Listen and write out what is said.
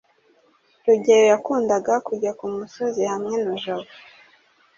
rugeyo yakundaga kujya kumusozi hamwe na jabo